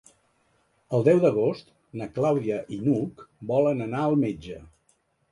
El deu d'agost na Clàudia i n'Hug volen anar al metge.